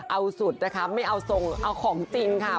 เอาสุดนะคะไม่เอาทรงเอาของจริงค่ะ